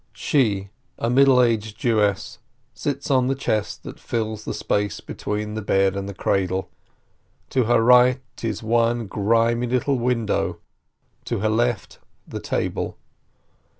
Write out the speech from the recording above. She, a middle aged Jewess, sits on the chest that fills the space between the bed and the cradle. To "her right is the one grimy little window, to her left, the table.